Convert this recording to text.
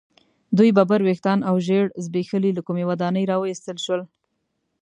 دوی ببر ویښتان او ژیړ زبیښلي له کومې ودانۍ را ویستل شول.